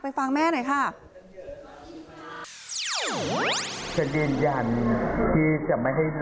ฟังแม่หน่อยค่ะ